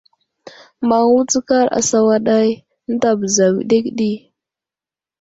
Maŋ wutskar asawaday ənta bəza wəɗek ɗi.